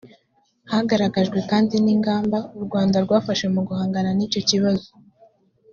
hagaragajwe kandi n’ingamba u rwanda rwafashe mu guhangana nicyo kibazo